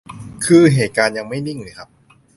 คือ เหตุการณ์ยังไม่นิ่งเลยครับ